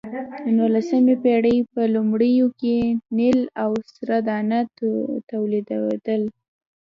د نولسمې پېړۍ په لومړیو کې نیل او سره دانه تولیدېدل.